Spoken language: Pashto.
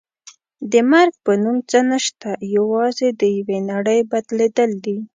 د مرګ په نوم څه نشته یوازې د یوې نړۍ بدلېدل دي.